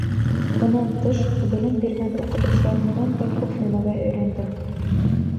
Бынан тыш, белем биргән уҡытыусыларымдан да күп нәмәгә өйрәндем.